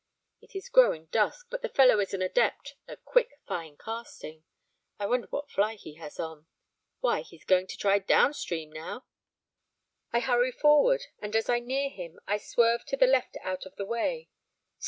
It is growing dusk, but the fellow is an adept at quick, fine casting I wonder what fly he has on why, he's going to try downstream now? I hurry forward, and as I near him, I swerve to the left out of the way.